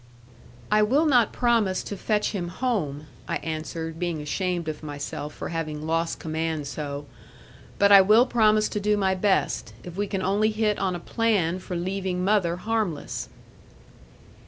'I will not promise to fetch him home,' I answered, being ashamed of myself for having lost command so: 'but I will promise to do my best, if we can only hit on a plan for leaving mother harmless.'